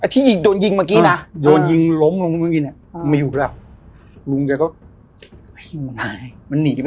ที่โดนยิงเมื่อกี้หรอ